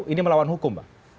ini melawan hukum